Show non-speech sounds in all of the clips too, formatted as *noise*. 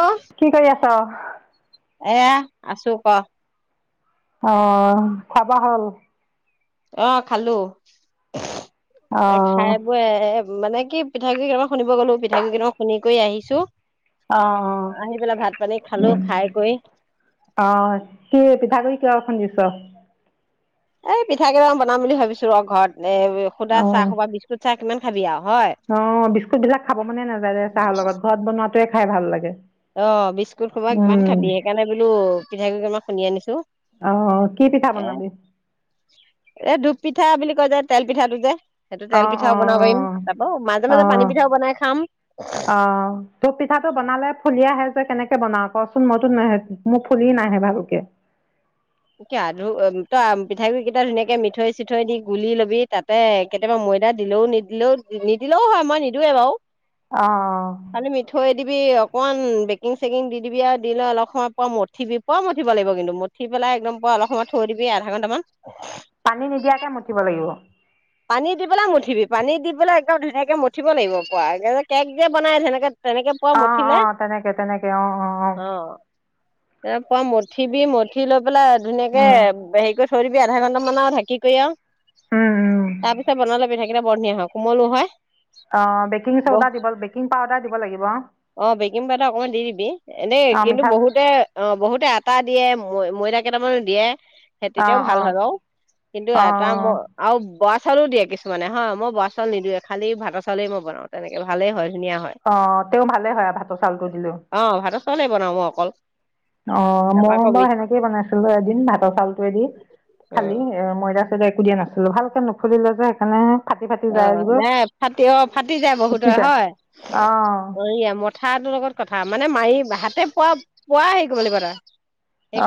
অহ অ'হ। এয়া আছো ক। অ' খা বাৱা হ'ল। অহ খালো। অঁ খাই বই এ মানে কি পিঠাগুৰি কেইতামান খুন্দিব গ'লো। পিঠাগুৰি কেইটামান খুন্দি কৰি আহিছো। অ' আহি পেলাই ভাত পানী খালো অ'। খাই কৰি অ' কি পিঠাগুড়ি কিয় খুন্দিছ? এই পিঠা কেটামান বনাম বুলি ভাবিছো ৰ ঘৰত। এ সুদা চাহ সোপা বিস্কুট চাহ কিমান খাবি আও। অ বিস্কুট বিলাক খাব মনে নাযায় যে চাহৰ লগত ঘৰত বনোৱা টোৱে খাই ভাল লাগে। অ' বিস্কুট সোপা কিমান উম খাবি সেইকাৰণে বোলো পিঠাগুৰি কেটামান খুন্দি আনিছো। অঁ কি পিঠা বনাবি? এ এ দু পিঠা বুলি কয় যে তেল পিঠাটো যে। সেইটো তেল অঁ পিঠাও অঁ বনাব পাৰিম। তাৰাপাও মাজে অঁ মাজে অঁ পানী পিঠাও বনাই খাম। অঁ তোৰ পিঠাটো বনালে ফুলি আহে যে কেনেকে বনাও কচোন? মইতো মোক ফুলি নাহে ভালকে। ধু তই পিঠাগ গুৰি কেইটা ধুনীয়াকে মিঠৈ চিঠৈ দি গুলি লবি তাতে কেতিয়াবা ময়দা দিলেও নিদিলেও নিদিলেও হয়। মই নিদওঁৱে বাৰু। অহ। খালি মিঠৈ দিবি অকণমান বেকিং চেকিং দি দিবি আৰু দিলৈ অলপ সময় প মঠিবি প মঠিব লাগিব। কিন্তু মঠিব পেলাই একদম প অলপ সময় থৈ দিবি আধা ঘণ্টামান। পানী নিদিয়াকে মঠিব লাগিব। পানী দি পেলাই মঠিবি পানী দি পেলাই এক ধুনীয়কে মঠিব লাগিব প কেক যে বনাই সেনেকে। অ অ তেনেকে তেনেকে অ অ অ। এ পোৱা মঠিব মঠি ল। পেললে ধুনীয়াকে অঁ হেৰি কৰি। থৈ দিবি আধা ঘণ্টাামান আৰু ঢাকি কৰি আও। উম উম তাৰ পিছত বনালে পিঠা কিটা বৰধনিয়া হয় কোমলো হয় অঁ বেকিং ব চ'ডা দিব বেকিং পাউদাৰ দিব লাগিব অ বেকিং পাউদাৰ অকণই দি দিবি এনেই অঁ কিন্তু মিঠা বহুতে অ বহুতে আটা দিয়ে ম ময়দা কেইটামানো দিয়ে সেই তেতিয়াও অঁ ভাল অঁ হয় অ কিন্তু এটা অঁ মোৰ বৰা চাউলো দিয়ে কিছুমানে হয় মই বৰা চাউল নিদওঁ খালি ভাতৰ চাউলেই মই বনাওঁ তেনেকে ভালেই হয় ধুনীয়া হয় আহ তেওঁ ভালে হয় আৰু ভাতৰ চাউলটো দিলেও অ ভাতৰ চাউলে বনাওঁ মই অকল অ তাৰপা মই আকৌ বাৰু মিঠ সেনেকেই বনাইছিলো এদিন ভাতৰ চাউলতেদি অ খালি এ ময়দাক একো দা নাছিলো ভালকে নুফুলিলে যে সেইকাৰণে ফাটি ফাটি অ যায়গৈ নাই ফাটি অ ফাটি যায় ফুটি বহুতৰে যায় অঁ হয়য়া মথাটোৰ লগত কথা মানে মাৰি হাতে পোৱা পোৱা হেৰি কৰিব লাগিব তৰা অ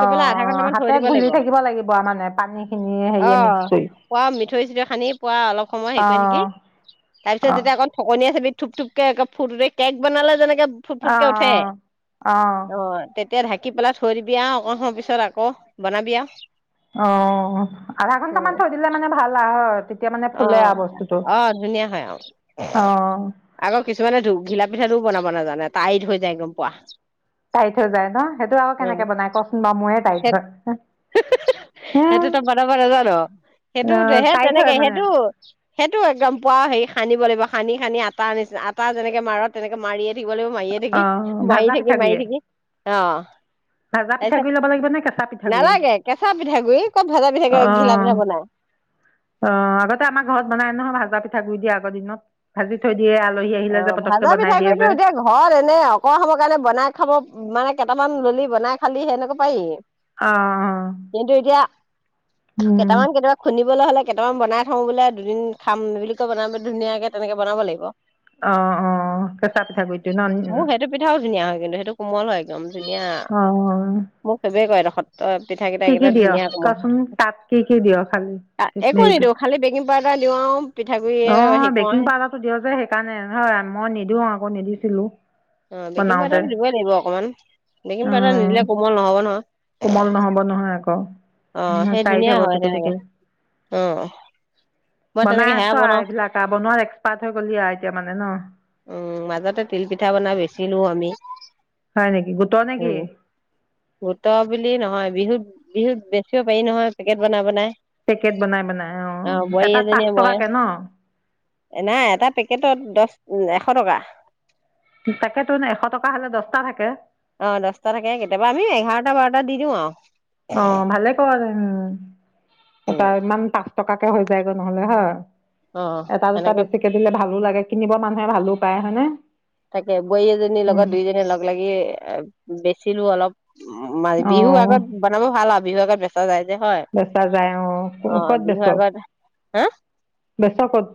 হাতে ঘুলি থাকিব লাগিব মানে পানী খিনি অ হেৰিয়ে মিক্স কৰি পুৰা মিঠৈ চিঠৈ সানি পুৰা অলপ সময় হেৰি কৰি থাকি অঁ তাৰপিছত অঁ যেতিয়া অকৌ থ আ থুপ থুপকে ফুৰ কেক বনালে যেনে এ ফুট ফুটকে উঠে অঁ অঁ অ তে এতিয়া ঢাকি পেলাই থৈ দিবি আৰু অকণ সময় পিছত আকৌ বনাবি আৰু অ আধা ঘন্ট মান থৈ দিলে মানে ভাল আহত অ অ ধুনীয়া হয় আৰু অ আগৰ কিছুমানে ধ ঘিলাপ পিঠাও বনাব নাজানে তটাইত হৈ যায় এক গম পোৱা পাই থৈ যায় ন সেইটো আৰু কেনেকে বনাই কচোন বাৰু মই স হে সেইটো তো বনাব নাজানো সেইটো অ সে টাইট তেনেকে হয় মানে সেইটো সেইটো একদম পুৱৰা হেৰি সানিব লাগিব সানি সানি আটা আনিছে আটা যেনেকে মাৰ তেনেকে মাৰি থাকিব লাগিব মায়ীয়ে অ থাকি মায়ী ভাজা থাকি মায়ি পিঠাগুড়িয়ে থাকি অ ভাজা তাৰপিছত পিঠাগু লব লাগে কেঁচা পিঠাগুৰি নালাগে কেঁচা পিঠাগুৰি ক'ত ভাজা অ পিঠাগুৰি ঘিলা পিঠা বনাই অ আগতে আমাৰ ঘৰত বনাই নহয় ভাজা পিঠাগুৰি আগ দিনত ভাজি থৈ দি অ ভাজা পিঠাগুড়টো এতিয়া ঘৰত এনে অক সমৰ কাৰণে বনাই খাব মানে কেইটামান ললি বনাই খালি সেনেকৈ পাৰি অহ কিন্তু এতিয়া অ উম কেইটামান কেইয়াবা খুন্দিবলৈ হ'লে কেইটামান বনাই থওঁ বোলে দুদিন খাম বুলি কয় বনাম ধুনীয়াকে তেনেকে বনাব লাগিব অহ অ কেঁচা পিঠাগুড়টো ন উ মোৰ সেইটো পিঠাও ধুনীয়া হয় কিন্তু সেইটো কোমল হয় একদম ধুনীয়া অ মোক সেইবেই কয় এদখ কি কি দিয় কচোন তাত কি কি দিয় খালি হেৰি কিব এটা দিওঁ পিঠাগুৰিয়ে অ হেৰি বেকিং কৰোহে পাউদাৰ টো দিয় যে সেইকাৰণে হয় মই নিদিও আকৌ নিদিছিলো অ বেকিং বনাওতে পাউদাৰ দিবই লাগিব অকনমান অ বেকিং পাউদাৰ নিদিলে কোমল নহব নহয় কোমল নহব নহয় আকৌ আহ সেই টাইট ধুনীয়া হ'ব হয় কেটু তেনেকে কেটু উ মই বনাই তেনেকে আছ সেয়া আৰু বনাও এইবিলাক আৰু বনোৱাত এক্সপাৰ্ট হৈ গ'লি আৰু এতিয়া মানে ন উম মাজতে তিল পিঠা বনাই বেচিলো আমি হয় নেকি গোটৰ নে উ কি গোট বুলি নহয় বিহুত বিহুত বেছিও পাৰি নহয় পেকেট বনাব বনাই পেকেট বনাই বনাই অ বোৱাৰী এটাত পাঁচ এজনীয়ে মই, টকাকে ন এনাই এটা পেকেটত দহ উম এশ টকা তাকেতো এশ টকা হ'লে দহটা থাকে অ দছটা থাকে কেতিয়াবা আমি এঘাৰটা, বাৰটা দি দিওআ অ ভালে পোৱা যায় উ উম, এটা ইমান পাহ টকাকে হৈ যায়গৈ নহ'লে হয় অ', এটা দুটা সেনেকে বেছিকে দিলে ভালো লাগে কিনিব মানুহে ভালো পায় হয়নে তাকে বোৱাৰী এজনীৰ উম লগত দুইজনী লগ লাগি এ বেছি ছিলো অলপ উ মাঘ অ বিহু আগত বনাব ভাল আও বিহুআগত বেচা যায়। যে হয় বেছা যায় অ। অ', ক'ত বেছ? বিহুৰ আগত হা বেচকত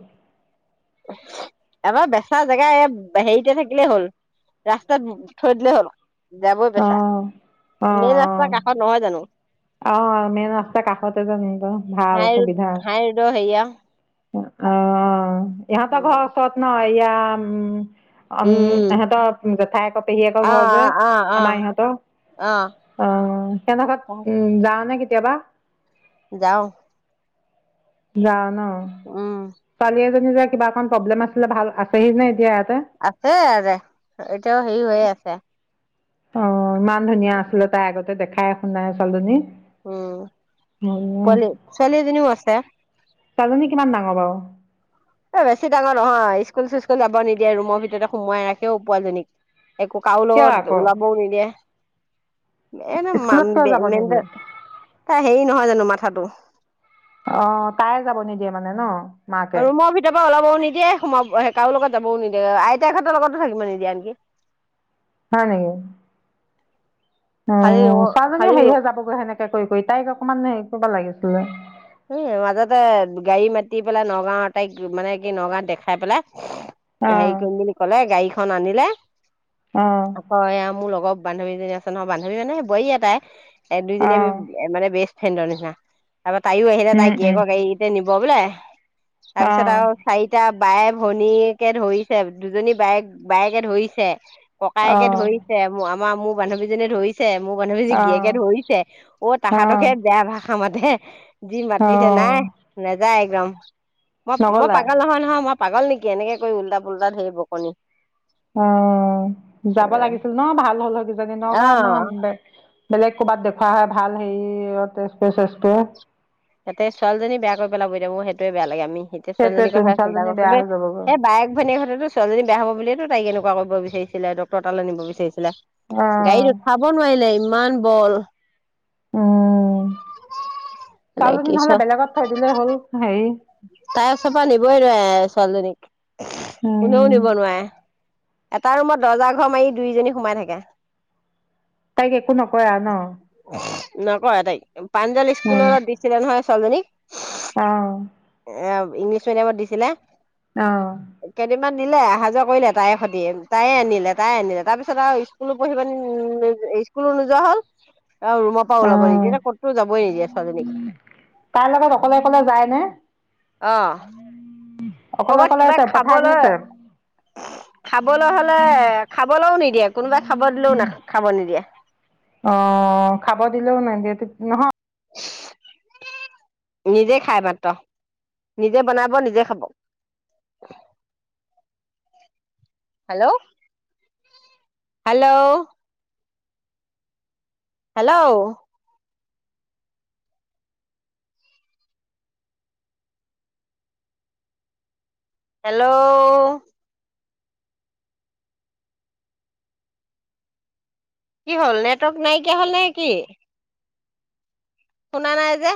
এবাৰ বেচা জেগা হেৰিতে থাকিলেই হল, ৰাস্তাত থৈ দিলেই হ'ল। যাবই অ বেচা। অ মেইন ৰাস্তাৰ কাষত নহয় জানো? অ মেইন ৰাস্তা কাষতে যে ভাল হাই ৰোড সুবিধা। হাই ৰোডৰ হেৰিয়া অ-অ ইহতৰ ঘৰ ওচৰত ন? ইয়াম অম উম ইহঁতৰ জেঠাইঅ পেহী আকৌ অ ঘৰ যে, অ অ আমাৰ ইহঁত। অ আহ কেনকা- যাওঁনে কেতিয়াবা? যাওঁ। যাওঁ ন? উম পালিয়ে কিবাকণ প্ৰব্লেম আছিলে, ভাল আছেহি নে? এতিয়া ইয়াত আছে এয়াতে। এতিয়াও হেৰি হৈ আছে অ মা- ধুনীয়া আছিলে তাই আগত দেখাই শুনাই ছোৱালজনী উম। পোৱালি ছোৱালী এজনীও আছে। ছোৱালজনী কিমান ডাঙৰ বাও? এ বেছি ডাঙৰ নহয়, স্কুল চ্কুল যাব নিদিয়ে ৰুমৰ ভিতৰতে সোমোৱাই ৰাখেও উ পোৱালজনীক একো কাৰু কিয় লগত আকৌ ওলাবও নিদিয়ে। এ-নে-মান স্কুলত কিয় বেন যাব নিদিয়ে মেনট- তাই হেৰি নহয় জানো? মাথাটো অ তাইয়ে যাব নিদিয়ে মানে ন? মাকে ৰুমৰ ভিতৰ পৰা ওলাব নিদিয়ে সোমাব‌ও কাৰো লগত যাবও নিদিয়ে, আইতাক হঁতৰ লগতো থাকিব নিদিয়ে আনকি। হয় নেকি? উম, খালি ছোৱালজনীও খালি হেৰিহৈ যাবগৈ সেনেকে কৰি-কৰি তাই গ অকম সেই ক‌ইব লাগিছিলে। উম, মাজতে গাড়ী মাতি পেলাই নগাঁও তাইক মানে কি নগাঁৱত দেখাই পেলাই অ সেই কৰিম বুলি কলে, গাই ধন আনিলে অ আকৌ এইয়া মোৰ লগৰ- বান্ধৱীজনী আছে নহয় বান্ধৱী মানে বোৱাৰী আও তাই। এ দুইজনী অ আমি মানে বেচ ফ্ৰেণ্ডৰ নিচিনা। তাপা তাইও আহিলে তাই উম উম গীৰিয়েকৰ গাড়ীতে নিব বোলে- অ তাৰপিছত আৰু চাৰিটা বায়ে, ভনীকে ধৰিছে। দুজনী বায়েক বায়েকে ধৰিছে অ ককায়েকে ধৰিছে, ম আম- আম ম বান্ধৱীনে ধৰিছে ছে মোৰ অ বান্ধবিজনীক গিৰিয়েকে ধৰিছে অ তাহতকে বেয়া ভাষ খম দে। যি অ মাতিছে নাই নাযায়। গ্ৰাম। মই মই নগ'লা পাগাল নহয় নহয় মই পাগল নেকি এনেকে কৰি উল্টা পুল্টা ধেৰ বকনি অ যাব লাগিছিল ন ভাল হল হৈ দি ন অ কাৰ ন আ বেলেগ ক'ৰবাত দেখুৱা হয় ভাল হেৰি তেজপুৰে চেছপুৰে তাতে ছোৱালী জনি বেয়া কৰি পেলাব মোৰ সেইটোৱে বেয়া লাগে আমি সেইতিয়া সেইটোৱে ছোৱালীৰ তোন কথা চিন্তা ছোৱালীজনী কৰে বেয়া ছবে হৈ যাবগৈ সেই বায়েক ভনীয়েক হতেতো ছোৱালী জনি বেয়া হব বুলিয়েতো তাইক এনেকুৱা ক বিচাৰিচিলে ডক্তৰ তালে নিব বিচাৰিছিল অ গাড়ীত উঠাব নোৱাৰিলে ইমান বল উ এনেকে ছোৱালীজনী চ নহ'লে বেলেগত থৈ দিলেই হ'ল হেৰি তাই ওচৰ পৰা নিবই নোৱাৰে ছোৱালীজনীক উম এনেও নৱনুৱায় এটা ৰুমত দৰ্জা ঘৰ মাৰি দুয়োজনী সোমাই থাকে তাইক একো নকৰা ন নক এটাই প্ৰাঞ্জল স্কুলত দিছিলে নহয় ছোৱালীজনী আহ এ ইংলিছ মিডিয়ামত দিছিলে আহ *inaudible* ইমান নিলে অহা যোৱা কৰিলে তাইৰ তাইয়ে তাইয়ে আনিলে তাই আনিলে তাৰপিছত আৰু স্কুলো পঢ়ি পানি স্কুলো নোযোৱা হ'ল অ ৰুমৰ পৰা অ ওলাব নিদিয়ে ক'তো যাবই নিদিয়ে ছোৱালজনীক তাইৰ লগত অকলে অকলে যায়নে আহ অকলে কৰ'বাত অকলে কিবা পঠাই খাবলৈ দিছে অ খাবলৈ হলে খাবলৈও নিদিয়ে কোনোবাই খাব দিলেও নাখাই খাব নিদিয়ে অ খাব দিলেও নিদিয়ে নহয় নিজে খাই মাত্ৰ নিজে বনাব নিজে খাব হেল্ল' হেল্ল' হেল্ল' হেল্ল' কি হ'ল নেটৱৰ্ক নাইকিয়া হ'ল নে কি শুনা নাই যে